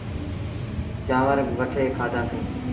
چآنور وٺي کآڌآسيٚݩ۔